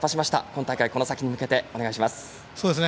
今大会、この先に向けてお願いします。